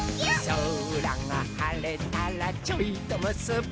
「そらがはれたらちょいとむすび」